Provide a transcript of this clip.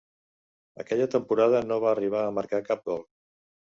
Aquella temporada no va arribar a marcar cap gol.